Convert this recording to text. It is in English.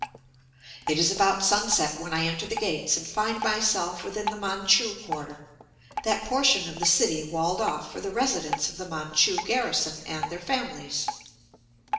It is about sunset when I enter the gates and find myself within the Manchu quarter, that portion of the city walled off for the residence of the Manchu garrison and their families.